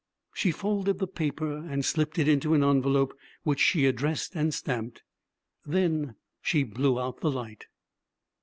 She folded the paper and slipped it into an envelope which she addressed and stamped. Then she blew out the light.